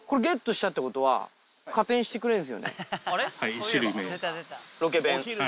１種類目。